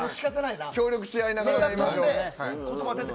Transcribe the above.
協力し合いながら。